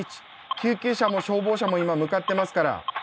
救急車も消防車も今向かってますから。